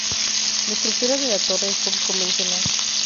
La estructura de la torre es poco convencional.